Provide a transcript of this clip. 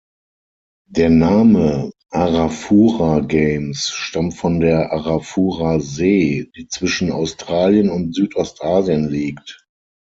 Der Name "Arafura Games" stammt von der Arafurasee, die zwischen Australien und Südostasien liegt.